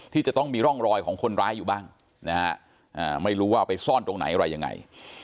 ที่จะต้องมีร่องรอยของคนร้ายอยู่บ้างนะฮะไม่รู้ว่าเอาไปซ่อนตรงไหนอะไรยังไง